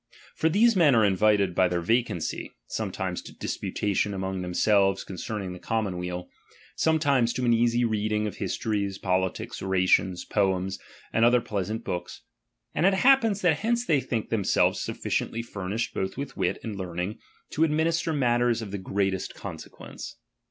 For these men are invited by their vacancy, sometimes to disputation among themselves concerning the commonweal, sometimes to an easy reading of histories, politics, orations, poems, and other plea sant books ; and it happens that hence they think themselves sufficiently furnished both with wit and learning, to administer matters of the greatest consequence.